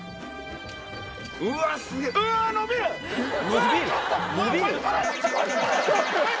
うわすげぇ。